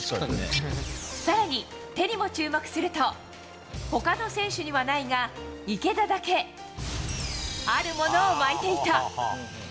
更に手にも注目すると他の選手にはないが池田だけ、あるものを巻いていた。